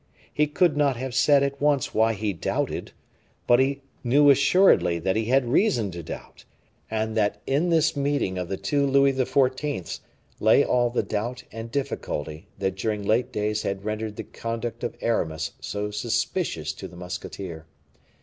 He could not have said at once why he doubted, but he knew assuredly that he had reason to doubt, and that in this meeting of the two Louis XIV.s lay all the doubt and difficulty that during late days had rendered the conduct of Aramis so suspicious to the musketeer.